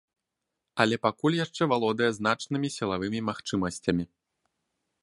Але пакуль яшчэ валодае значнымі сілавымі магчымасцямі.